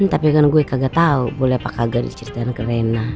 tapi kan gue kagak tahu boleh pak kagak diceritain ke rena